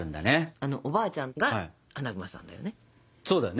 あのおばあちゃんがアナグマさんだよね。